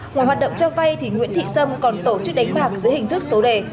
ngoài hoạt động cho vay thì nguyễn thị sâm còn tổ chức đánh bạc dưới hình thức số đề